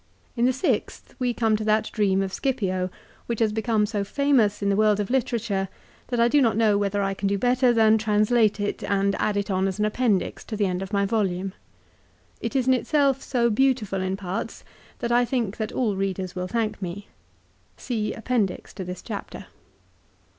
In the sixth we come to that dream of Scipio which has become so famous in the world of literature that I do not know whether I can do better than translate it, and add it on as an appendix to the end of my volume. It is in itself so beautiful in parts that I think that all readers will thank me. (See appendix to this chapter).